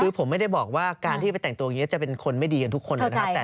คือผมไม่ได้บอกว่าการที่ไปแต่งตัวอย่างนี้จะเป็นคนไม่ดีกันทุกคนเลยนะครับ